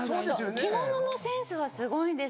着物のセンスはすごいんです。